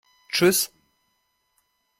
Tschüss!